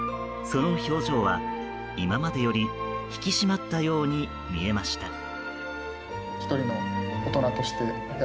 その表情は今までより引き締まったように見えました。